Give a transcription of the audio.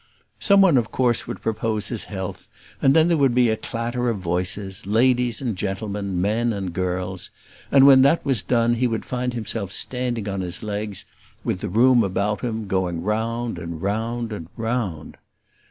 Someone of course would propose his health, and then there would be a clatter of voices, ladies and gentlemen, men and girls; and when that was done he would find himself standing on his legs, with the room about him, going round and round and round.